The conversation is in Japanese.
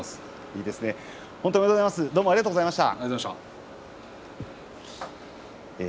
ありがとうございます。